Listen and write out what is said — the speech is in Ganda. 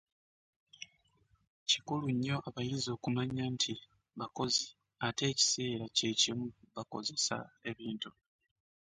Kikulu nnyo abayizi okumanya nti bakozi ate ekiseera kye kimu bakozesa ebintu.